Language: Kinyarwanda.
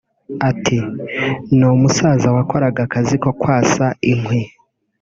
Ati “ Ni umusaza wakoraga akazi ko kwasa inkwi